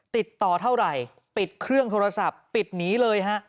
ติดต่อเท่าไหร่ปิดเครื่องโทรศัพท์ปิดหนีเลยฮะ